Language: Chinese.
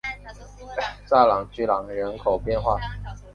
萨勒屈朗人口变化图示